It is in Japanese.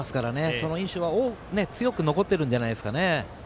その印象は強く残ってるんじゃないですかね。